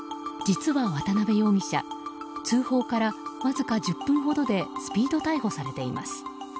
実は渡辺容疑者通報からわずか１０分ほどでスピード逮捕されています。